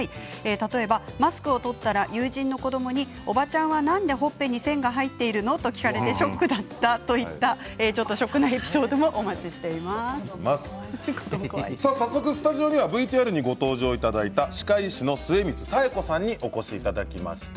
例えばマスクを取ったら友人の子どもにおばちゃんはなんでほっぺに線が入っているの？と聞かれてショックだったといったちょっとショックなエピソードもスタジオにはＶＴＲにご登場いただいた歯科医師の末光妙子さんにお越しいただきました。